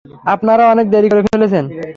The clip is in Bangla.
আপনারা অনেক দেরি করে ফেলেছেন।